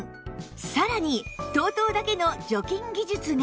さらに ＴＯＴＯ だけの除菌技術が！